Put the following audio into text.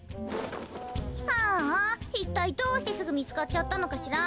ああいったいどうしてすぐみつかっちゃったのかしら。